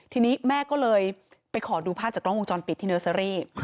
ทีนี้แม่ก็เลยไปขอดูภาพจากกล้องวงจรปิดที่เนอร์เซอรี่